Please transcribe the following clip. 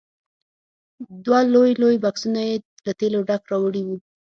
دوه لوی لوی بکسونه یې له تېلو ډک راوړي وو.